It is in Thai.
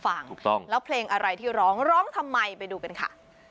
ถูกต้องแล้วเพลงอะไรที่ร้องร้องทำไมไปดูกันค่ะ